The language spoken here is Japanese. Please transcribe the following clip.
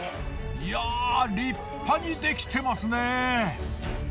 いや立派にできてますね。